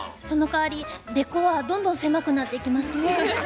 そのかわりデコはどんどん狭くなっていきますね。